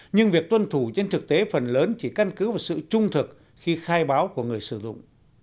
nhưng việc tuân thủ trên thực tế phần lớn chỉ căn cứ vào sự trung thực khi khai báo của người sử dụng